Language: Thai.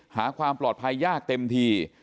หาความปลอดภัยยากเต็มที